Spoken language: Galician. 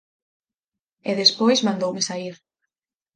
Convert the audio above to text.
E despois mandoume saír.